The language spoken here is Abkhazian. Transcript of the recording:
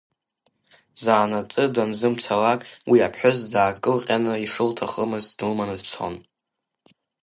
Заанаҵы данзымцалак, уи аԥҳәыс даакылҟьаны, ишылҭахымыз длыманы дцон.